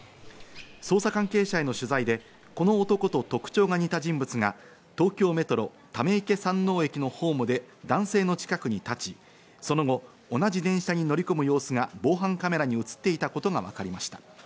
捜査関係者への取材で、この男と特徴が似た人物が東京メトロ溜池山王駅のホームで男性の近くに立ち、その後、同じ電車に乗り込む様子が防犯カメラに映っていたことがわかりました。